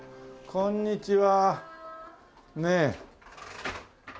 こんにちは。